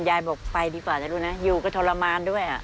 ยายบอกไปดีกว่าจะรู้นะอยู่ก็ทรมานด้วย